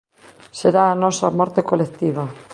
Será a nosa morte colectiva.